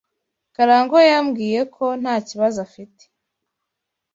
Karangwa yambwiye ko nta kibazo afite.